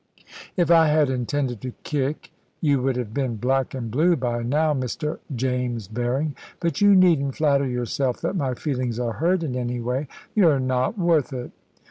"If I had intended to kick, you would have been black and blue by now, Mr. James Berring. But you needn't flatter yourself that my feelings are hurt in any way. You're not worth it."